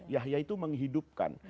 yahya itu menghidupkan